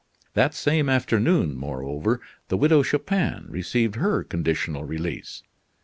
That same afternoon, moreover, the Widow Chupin received her conditional release.